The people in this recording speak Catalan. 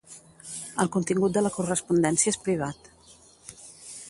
El contingut de la correspondència és privat.